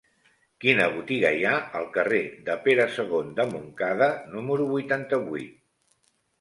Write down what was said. Quina botiga hi ha al carrer de Pere II de Montcada número vuitanta-vuit?